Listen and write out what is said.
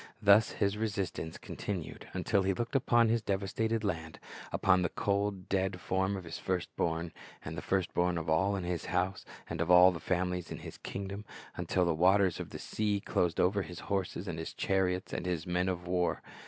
Thus his resistance con tinued, until he looked upon his devastated land, upon the cold, dead form of his first born, and the first born of all in his house and of all the families in his kingxlom, until the waters of the sea closed over his horses and his chariots and his men of war.